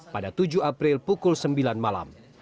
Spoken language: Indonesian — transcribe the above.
pada tujuh april pukul sembilan malam